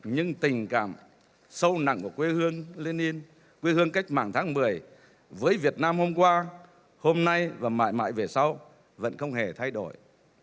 nhưng tình cảm sâu nặng của quê hương lenin quê hương cách mạng tháng một mươi với việt nam hôm qua hôm nay và mãi mãi về sau vẫn không hề thay đổi